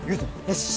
よし！